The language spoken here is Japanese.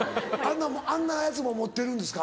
あんなやつも持ってるんですか？